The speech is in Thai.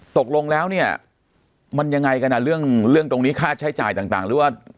ตกลงแล้วเนี่ยมันยังไงกันอ่ะเรื่องตรงนี้ค่าใช้จ่ายต่างหรือว่า